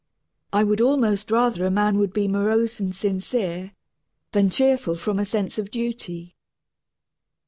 I would almost rather a man would be morose and sincere than cheerful from a sense of duty.